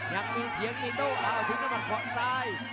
ยังมีเทียงมีโต้อ้าวทิ้งให้มันขวดซ้าย